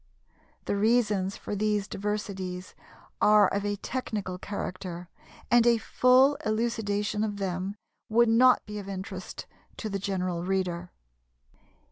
The reasons for these diversities are of a technical character, and a full elucidation of them would not be of interest to the general reader.